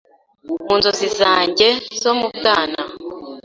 Mu nzozi zanjye zo mu bwana